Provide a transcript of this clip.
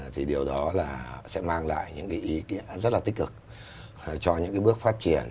thì điều đó sẽ mang lại những ý kiến rất là tích cực cho những bước phát triển